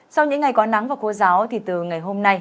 sau những ngày có nắng và khô giáo thì từ ngày hôm nay